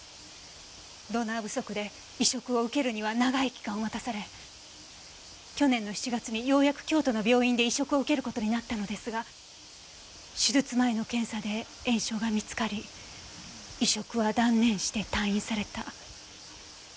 ドナー不足で移植を受けるには長い期間を待たされ去年の７月にようやく京都の病院で移植を受ける事になったのですが手術前の検査で炎症が見つかり移植は断念して退院された。